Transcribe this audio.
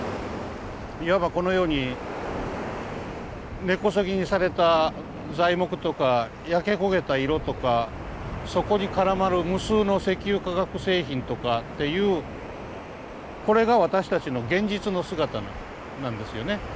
いわばこのように根こそぎにされた材木とか焼け焦げた色とかそこに絡まる無数の石油化学製品とかっていうこれが私たちの現実の姿なんですよね。